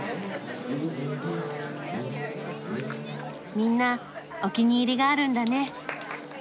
みんなお気に入りがあるんだね。